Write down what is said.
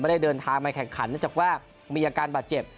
ไม่ได้เดินทางมาแข่งขันแต่ว่ามีอาการบาดเจ็บ